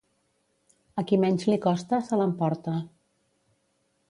A qui menys li costa, se l'emporta.